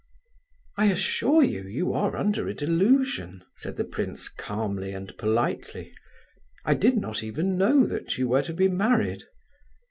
"I assure you, you are under a delusion," said the prince, calmly and politely. "I did not even know that you were to be married."